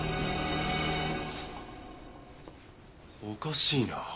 おかしいな。